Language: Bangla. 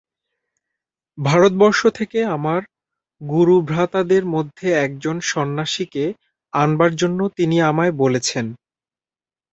ভারতবর্ষ থেকে আমার গুরুভ্রাতাদের মধ্যে একজন সন্ন্যাসীকে আনবার জন্য তিনি আমায় বলেছেন।